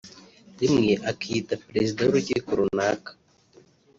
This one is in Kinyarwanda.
rimwe akiyita Perezida w’urukiko runaka